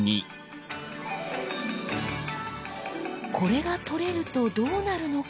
これが取れるとどうなるのか？